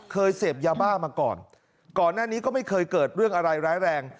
เสพยาบ้ามาก่อนก่อนหน้านี้ก็ไม่เคยเกิดเรื่องอะไรร้ายแรง